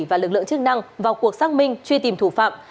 và lực lượng chức năng vào cuộc xác minh truy tìm thủ phạm